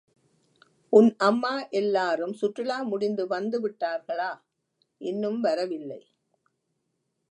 உன் அம்மா எல்லாரும் சுற்றுலா முடிந்து வந்து விட்டார்களா? இன்னும் வரவில்லை!